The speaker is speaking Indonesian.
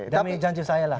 demi janji saya lah